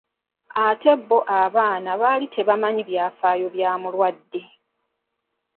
Ate bo abaana baali tebamanyi byafaayo bya mulwadde.